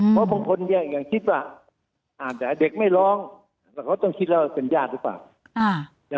เพราะบางคนยังคิดว่าอาจจะเด็กไม่ร้องแล้วเขาต้องคิดแล้วว่าเป็นญาติหรือเปล่า